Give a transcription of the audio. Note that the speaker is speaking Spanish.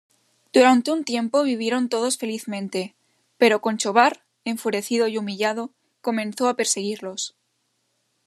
Durante un tiempo vivieron todos felizmente, pero Conchobar, enfurecido y humillado, comenzó a perseguirlos.